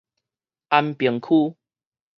安平區